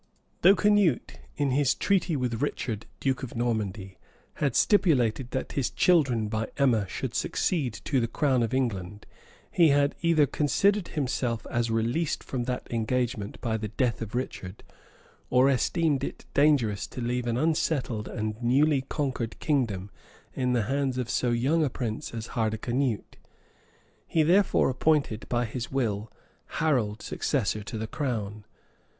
} Though Canute, in his treaty with Richard, duke of Normandy, had stipulated that his children by Emma should succeed to the crown of England, he had either considered himself as released from that engagement by the death of Richard, or esteemed it dangerous to leave an unsettled and newly conquered kingdom in the hands of so young a prince as Hardicanute: he therefore appointed, by his will, Harold successor to the crown.